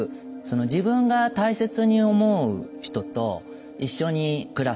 自分が大切に思う人と一緒に暮らす生活を共にする。